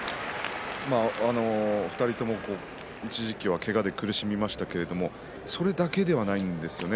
２人とも一時期はけがで苦しみましたけれどもそれだけではないんですよね。